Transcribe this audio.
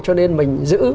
cho nên mình giữ